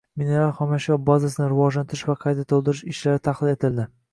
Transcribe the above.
Mineral xomashyo bazasini rivojlantirish va qayta to‘ldirish ishlari tahlil etilding